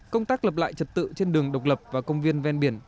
công tác lập lại trật tự trên đường độc lập và công viên ven biển